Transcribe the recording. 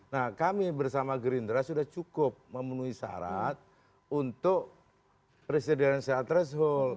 nah kami bersama gerindra sudah cukup memenuhi syarat untuk presidensial threshold